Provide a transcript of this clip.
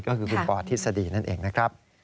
ก็คือคุณปอทฤษฎีนั่นเองนะครับ